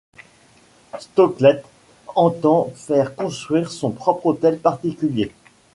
Stoclet entend faire construire son propre hôtel particulier.